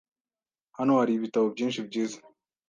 Hano hari ibitabo byinshi byiza.